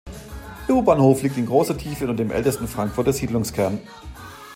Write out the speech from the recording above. Der U-Bahnhof liegt in großer Tiefe unter dem ältesten Frankfurter Siedlungskern.